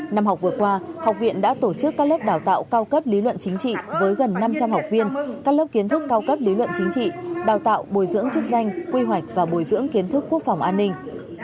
năm học vừa qua học viện đã tổ chức các lớp đào tạo cao cấp lý luận chính trị với gần năm trăm linh học viên các lớp kiến thức cao cấp lý luận chính trị đào tạo bồi dưỡng chức danh quy hoạch và bồi dưỡng kiến thức quốc phòng an ninh